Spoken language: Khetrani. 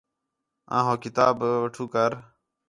آں ہو کتاب بٹھو کر